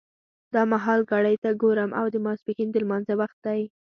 دا مهال ګړۍ ته ګورم او د ماسپښین د لمانځه وخت دی.